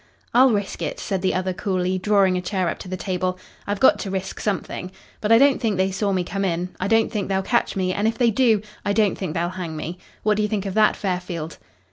"I'll risk it," said the other coolly, drawing a chair up to the table. "I've got to risk something. But I don't think they saw me come in. I don't think they'll catch me, and if they do I don't think they'll hang me. What do you think of that, Fairfield?"